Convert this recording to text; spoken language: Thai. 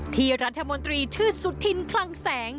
ที่รัฐมนตรีชื่อสุธินคลังแสง